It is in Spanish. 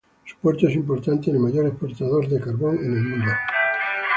Su puerto es importante y el mayor exportador de carbón en el mundo.